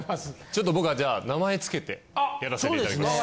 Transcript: ちょっと僕はじゃあ名前つけてやらせていただきます。